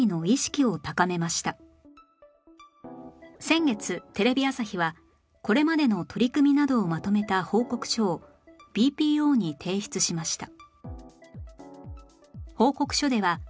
先月テレビ朝日はこれまでの取り組みなどをまとめた報告書を ＢＰＯ に提出しました